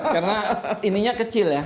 karena ininya kecil ya